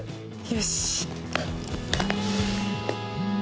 よし。